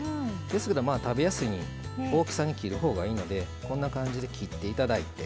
ですけど食べやすい大きさに切るほうがいいのでこんな感じで切って頂いて。